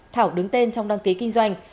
thảo đứng tên trong đăng ký kinh doanh